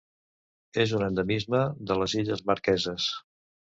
És un endemisme de les Illes Marqueses.